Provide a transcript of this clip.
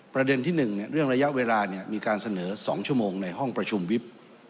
ประเด็นที่๑เรื่องระยะเวลามีการเสนอ๒ชั่วโมงในห้องประชุมวิบ